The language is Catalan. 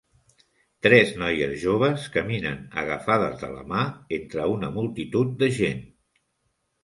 Tres noies joves caminen agafades de la mà entre una multitud de gent.